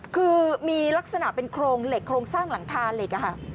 คือมีลักษณะเป็นโครงเหล็กโครงสร้างหลังคาเหล็ก